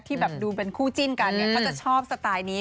ที่ดูเป็นคู่จิ้นกันก็จะชอบสไตล์นี้